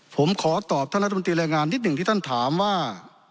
ผมขอตอบท่านรัฐมนตรีแรงงานนิดหนึ่งที่ท่านถามว่า